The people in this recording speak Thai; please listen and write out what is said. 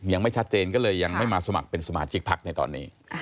ยังไม่ชัดเจนก็เลยยังไม่มาสมัครเป็นสมาชิกพักในตอนนี้